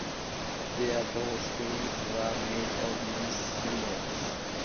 Their bowstrings were made of moose sinews.